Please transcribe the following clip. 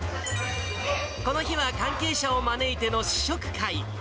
この日は関係者を招いての試食会。